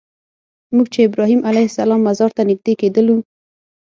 موږ چې ابراهیم علیه السلام مزار ته نږدې کېدلو.